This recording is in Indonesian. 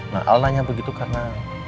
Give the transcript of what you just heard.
nah aku tanya begitu karena